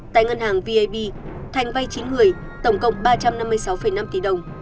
tại ngân hàng vip thành vay chín người tổng cộng ba trăm năm mươi sáu năm tỷ đồng